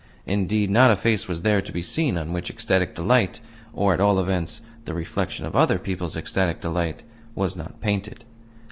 Indeed, not a face was there to be seen on which ecstatic delight or, at all events, the reflection of other people's ecstatic delight was not painted.